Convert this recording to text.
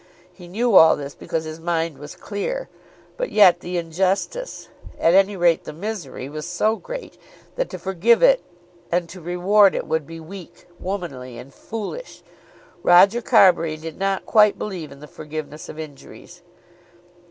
He knew all this because his mind was clear. But yet the injustice, at any rate, the misery was so great, that to forgive it and to reward it would be weak, womanly, and foolish. Roger Carbury did not quite believe in the forgiveness of injuries.